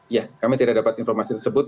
ya kami tidak dapat informasi tersebut